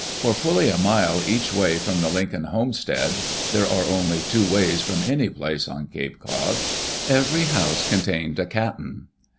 For fully a mile each way from the Lincoln homestead — there are only two ways from any place on Cape Cod — every house contained a Cap'n.